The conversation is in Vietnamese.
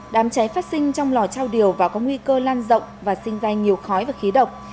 đám cháy phát sinh trong lò trao điều và có nguy cơ lan rộng và sinh ra nhiều khói và khí độc